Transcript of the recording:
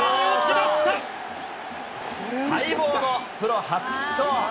待望のプロ初ヒット。